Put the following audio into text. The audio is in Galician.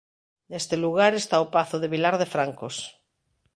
Neste lugar está o pazo de Vilar de Francos.